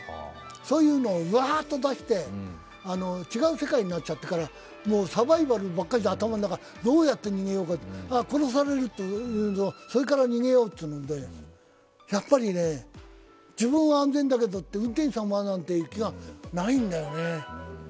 そういうのをウワーッと出して違う世界になっちゃってサバイバルばっかしで頭の中、どうやって逃げようか、殺される、それから逃げようというので、やっぱりね、自分は安全だけど運転手さんはなんて、気が回らないんだよね。